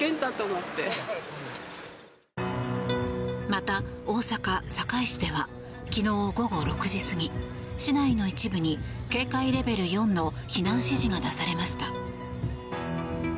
また、大阪・堺市では昨日午後６時過ぎ市内の一部に警戒レベル４の避難指示が出されました。